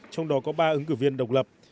trong đó có ba ứng cử viên độc lập